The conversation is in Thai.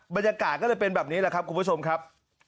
บรรยากาศก็เลยเป็นแบบนี้แหละครับคุณผู้ชมครับ